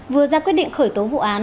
vừa ra quyết định khởi tố vụ án